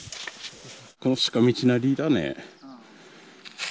この鹿道なりだね。